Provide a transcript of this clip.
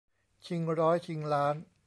ชิงร้อยชิงล้าน